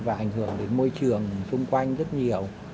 và ảnh hưởng đến môi trường xung quanh rất nhiều